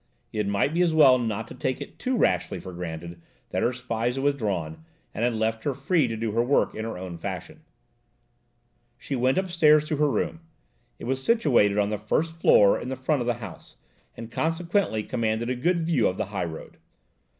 It might be as well not to take it too rashly for granted that her spies had withdrawn, and had left her free to do her work in her own fashion. THAT MAN WITH A BILL HOOK. She went upstairs to her room. It was situated on the first floor in the front of the house, and consequently commanded a good view of the high road.